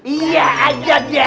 iya aja dia